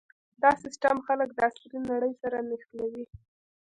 دا سیستم خلک د عصري نړۍ سره نښلوي.